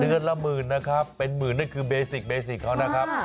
เดือนละหมื่นนะครับเป็นหมื่นนั่นคือเบสิกเขานะครับ